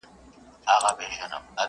نه په زړه رازونه پخواني لري!